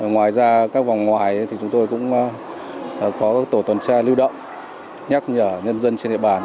ngoài ra các vòng ngoài thì chúng tôi cũng có tổ tuần tra lưu động nhắc nhở nhân dân trên địa bàn